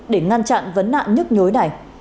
để ngăn chặn vấn nạn nhức nhối này